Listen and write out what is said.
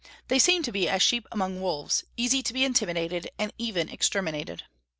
They seemed to be as sheep among wolves, easy to be intimidated and even exterminated.